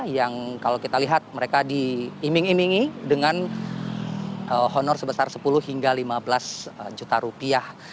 yang kalau kita lihat mereka diiming imingi dengan honor sebesar sepuluh hingga lima belas juta rupiah